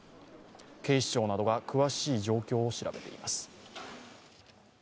警視庁などが詳しい状況を調べています。